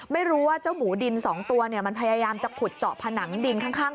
ไม่รู้ว่าเจ้าหมูดิน๒ตัวมันพยายามจะขุดเจาะผนังดินข้าง